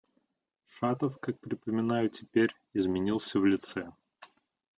Шатов, как припоминаю теперь, изменился в лице.